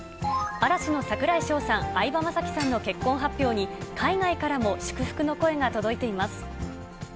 嵐の櫻井翔さん、相葉雅紀さんの結婚発表に、海外からも祝福の声が届いています。